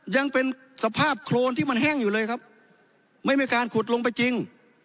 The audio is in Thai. ยังเป็นสภาพโครนที่มันแห้งอยู่เลยครับไม่มีการขุดลงไปจริง